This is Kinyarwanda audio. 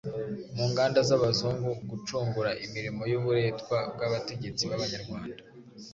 mu nganda z'Abazungu gucungura imirimo y'uburetwa bw'abategetsi b'Abanyarwanda.